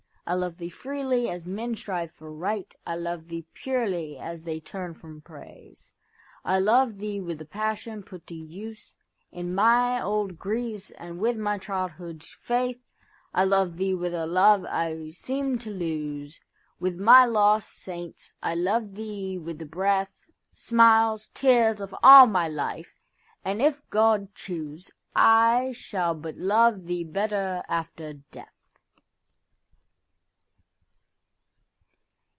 I love thee freely, as men strive for right.I love thee purely, as they turn from praise.I love thee with the passion put to useIn my old griefs, and with my childhoodâs faith.I love thee with a love I seemed to loseWith my lost saints. I love thee with the breath, Smiles, tears, of all my life; and, if God choose,I shall but love thee better after death.